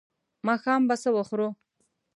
ماښام به څه وخورو؟